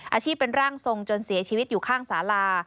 อาชีพเป็นร่างทรงจนเสียชีวิตอยู่ข้างสาลา